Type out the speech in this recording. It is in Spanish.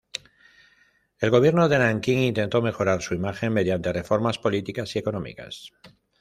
El gobierno de Nankín intentó mejorar su imagen mediante reformas políticas y económicas.